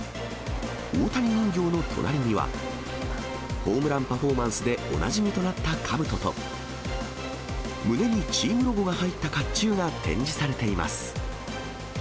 大谷人形の隣には、ホームランパフォーマンスでおなじみとなったかぶとと、胸にチームロゴが入ったかっちゅうが展示されています。